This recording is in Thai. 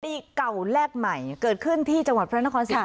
ตีเก่าแลกใหม่เกิดขึ้นที่จังหวัดภรรณคนสาว